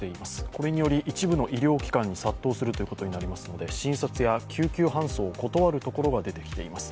これにより一部の医療機関に殺到するということになりますので診察や救急搬送を断る所が出てきています。